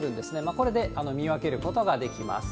これで見分けることができます。